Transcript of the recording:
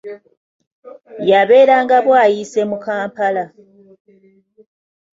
Yabeeranga Bwayise mu Kampala.